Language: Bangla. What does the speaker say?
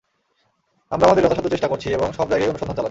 আমরা আমাদের যথাসাধ্য চেষ্টা করছি এবং সবজায়গায়ই অনুসন্ধান চালাচ্ছি।